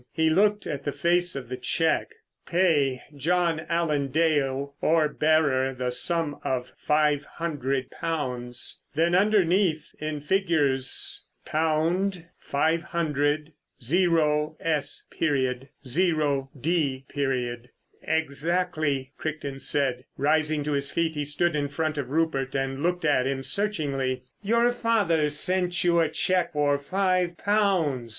He looked at the face of the cheque. "Pay John Allen Dale or bearer the sum of five hundred pounds." Then underneath in figures "£500 0s. 0d." "Exactly," Crichton said. Rising to his feet he stood in front of Rupert and looked at him searchingly. "Your father sent you a cheque for five pounds.